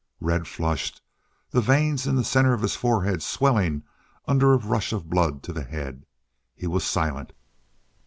Red flushed, the veins in the center of his forehead swelling under a rush of blood to the head. He was silent.